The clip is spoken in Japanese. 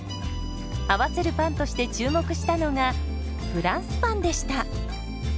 合わせるパンとして注目したのがフランスパンでした。